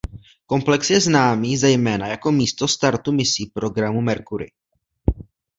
Komplex je známý zejména jako místo startu misí programu Mercury.